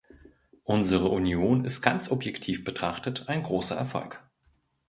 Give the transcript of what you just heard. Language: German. Unsere Union ist ganz objektiv betrachtet ein großer Erfolg.